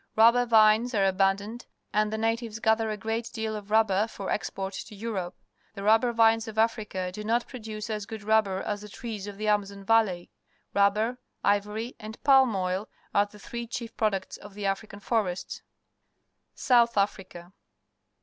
Rubber \ ines are abundant, and the natives gather a great deal of rubber for export to Europe. The rubber vines of Africa do not produce as good rubber as the trees of the Amazon ralley. Rubber, ivory , and palm oi l are the three chief products of the African forests. South Africa.